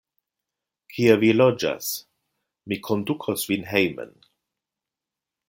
Kie vi loĝas? Mi kondukos vin hejmen.